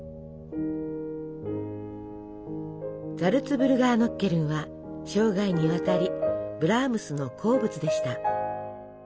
ザルツブルガーノッケルンは生涯にわたりブラームスの好物でした。